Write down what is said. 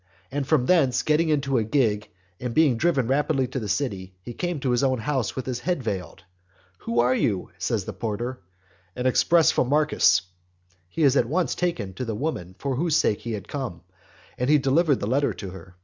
And from thence getting into a gig and being driven rapidly to the city, he came to his own house with his head veiled. "Who are you?" says the porter. "An express from Marcus." He is at once taken to the woman for whose sake he had come; and he delivered the letter to her.